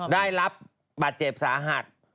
ได้รับบาดเจ็บสาหัส